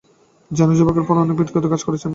জানো, জোবার্গের পর অনেক ব্যক্তিগত কাজ করেছি আমি।